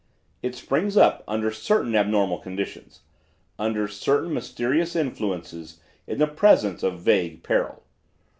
It springs up under certain abnormal conditions, under certain mysterious influences in the presence of vague peril.